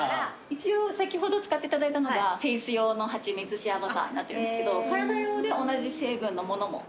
一応先ほど使っていただいたのがフェイス用のはちみつシアバターになってるんですけど体用で同じ成分のものもご準備あります。